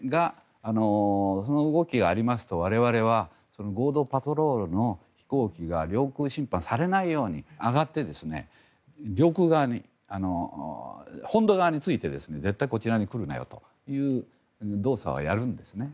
その動きがありますと我々は合同パトロールの飛行機が領空侵犯されないように上がって領空側に本土側について絶対こちらに来るなよという動作はやるんですね。